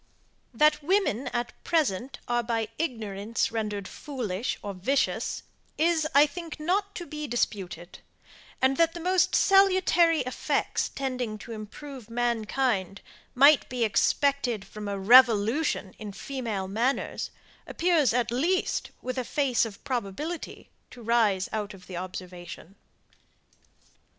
That women at present are by ignorance rendered foolish or vicious, is, I think, not to be disputed; and, that the most salutary effects tending to improve mankind, might be expected from a REVOLUTION in female manners, appears at least, with a face of probability, to rise out of the observation.